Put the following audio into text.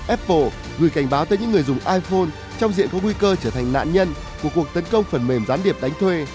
apple gửi cảnh báo tới những người dùng iphone trong diện có nguy cơ trở thành nạn nhân của cuộc tấn công phần mềm gián điệp đánh thuê